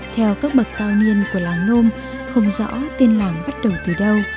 theo các bậc cao niên của làng nôm không rõ tên làng bắt đầu từ đâu